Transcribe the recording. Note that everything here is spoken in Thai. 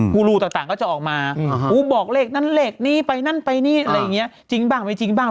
ูรูต่างก็จะออกมาบอกเลขนั้นเลขนี้ไปนั่นไปนี่อะไรอย่างนี้จริงบ้างไม่จริงบ้าง